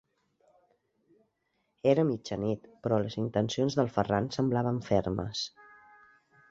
Era mitjanit, però les intencions del Ferran semblaven fermes.